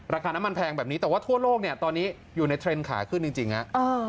ราคาน้ำมันแพงแบบนี้แต่ว่าทั่วโลกเนี่ยตอนนี้อยู่ในเทรนด์ขายขึ้นจริงฮะ